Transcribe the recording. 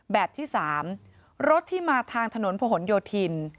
แบบที่๓รถที่มาทางถนนผนโยธิน